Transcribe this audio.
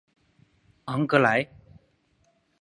昂格莱。